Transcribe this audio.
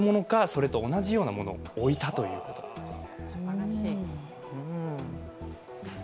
それと同じようなものを置いたということなんです。